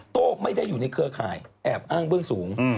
โต้ไม่ได้อยู่ในเครือข่ายแอบอ้างเบื้องสูง